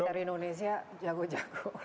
belitari indonesia jago jago